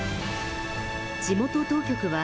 地元当局は、